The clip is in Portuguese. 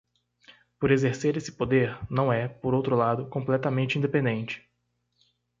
Por exercer esse poder, não é, por outro lado, completamente independente.